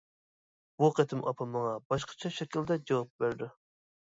بۇ قېتىم ئاپام ماڭا باشقىچە شەكىلدە جاۋاب بەردى.